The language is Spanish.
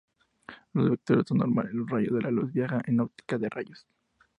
Los vectores son normales los rayos de la luz viaja en óptica de rayos.